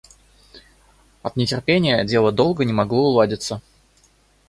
От нетерпения дело долго не могло уладиться.